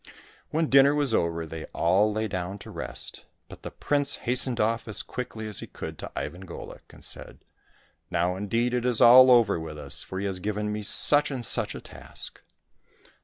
" When dinner was over they all lay down to rest, but the prince hastened off as quickly as he could to Ivan Golik, and said, " Now indeed it is all over with us, for he has given me such and such a task."